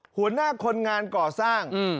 หัวหน้าคนงานก่อสร้าง